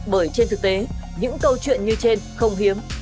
bởi trên thực tế những câu chuyện như trên không hiếm